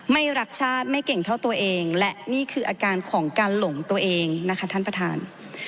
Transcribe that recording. ไม่รักชาติไม่เก่งเท่าตัวเองและนี่คืออาการของการหลงตัวเองนะคะท่านประธาน